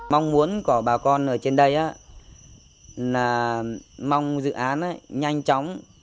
mong muốn của bà con ở trên đây là mong dự án nhanh chóng